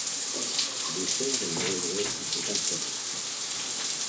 Des serres et une roseraie y sont installées.